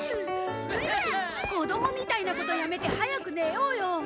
子どもみたいなことやめて早く寝ようよ！